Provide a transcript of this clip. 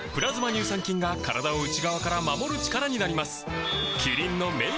乳酸菌が体を内側から守る力になります